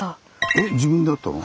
えっ自分で割ったの？